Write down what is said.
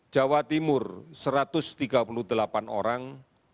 jawa timur satu ratus tiga puluh delapan orang